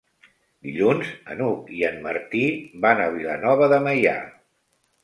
Dilluns n'Hug i en Martí van a Vilanova de Meià.